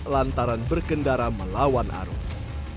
lantaran berkendara melawan arus